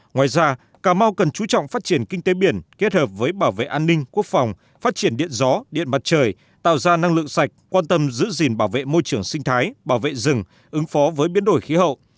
ngoài ra cà mau cần chú trọng phát triển kinh tế biển kết hợp với bảo vệ an ninh quốc phòng phát triển điện gió điện mặt trời tạo ra năng lượng sạch quan tâm giữ gìn bảo vệ môi trường sinh thái bảo vệ rừng ứng phó với biến đổi khí hậu